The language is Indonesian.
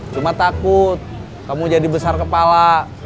cuma takut kamu jadi besar kepala